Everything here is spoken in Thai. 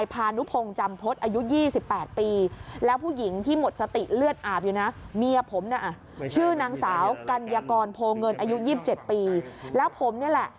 ผมเนี่ยชื่อนางสาวกัญญากรโพงเงินอายุ๒๗ปีแล้วผมเนี่ยแหละ